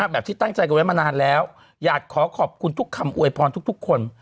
แบบที่ตั้งใจกันไว้มานานแล้วอยากขอขอบคุณทุกคำอวยพรทุกคน